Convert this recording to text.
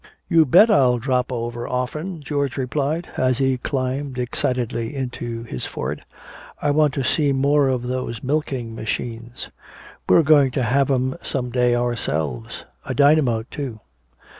"You bet I'll drop over often!" George replied, as he climbed excitedly into his Ford. "I want to see more of those milking machines! We're going to have 'em some day ourselves! A dynamo too!"